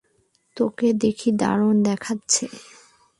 তোকে দেখি দারুণ দেখাচ্ছে।